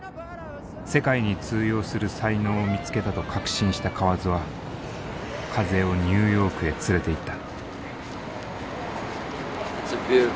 世界に通用する才能を見つけたと確信した河津は風をニューヨークへ連れて行った。